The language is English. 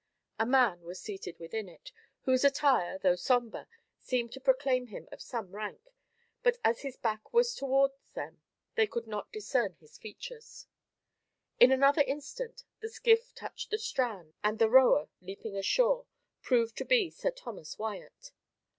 A man was seated within it, whose attire, though sombre, seemed to proclaim him of some rank, but as his back was towards them, they could not discern his features. In another instant the skiff touched the strand, and the rower leaping ashore, proved to be Sir Thomas Wyat.